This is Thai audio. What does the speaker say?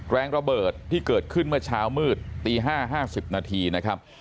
แรงระเบิดที่เกิดขึ้นเมื่อเช้ามืดตี๕๕๐นาทีนะครับ